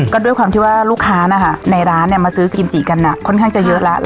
ก็ด้วยความที่ว่าลูกค้านะคะในร้านมาซื้อกิมจิกันค่อนข้างจะเยอะแล้ว